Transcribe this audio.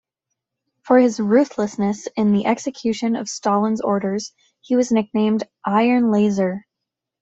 For his ruthlessness in the execution of Stalin's orders, he was nicknamed "Iron Lazar".